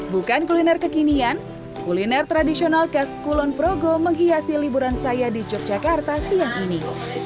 bukan kuliner kekinian kuliner tradisional khas kulon progo menghiasi liburan saya di yogyakarta siang ini